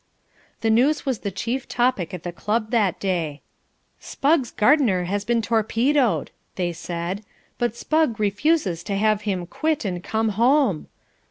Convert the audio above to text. The news was the chief topic in the club that day. "Spugg's gardener has been torpedoed," they said, "but Spugg refuses to have him quit and come home."